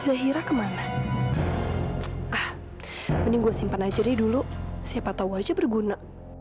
aku enggak mau nanti ibu tersesat masalah ini